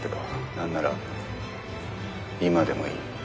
何なら今でもいい」